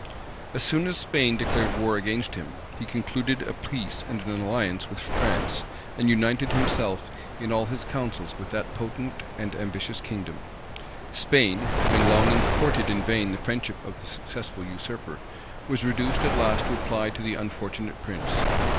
As soon as Spain declared war against him, he concluded a peace and an alliance with France, and united himself in all his counsels with that potent and ambitious kingdom. Spain, having long courted in vain the friendship of the successful usurper, was reduced at last to apply to the unfortunate prince.